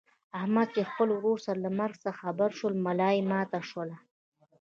احمد چې د خپل ورور له مرګ څخه خبر شولو ملایې ماته شوله.